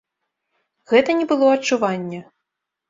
Гэта не было адчуванне.